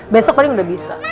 besok kali udah bisa